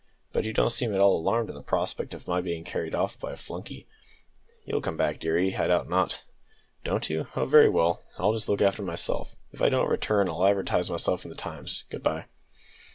But you don't seem at all alarmed at the prospect of my being carried off by a flunkey." "You'll come back, dearie, I doubt not." "Don't you? Oh, very well; then I'll just look after myself. If I don't return, I'll advertise myself in the Times. Good bye."